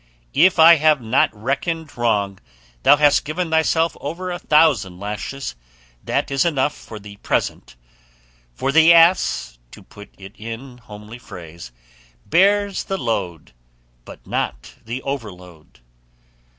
If I have not reckoned wrong thou hast given thyself over a thousand lashes; that is enough for the present; 'for the ass,' to put it in homely phrase, 'bears the load, but not the overload.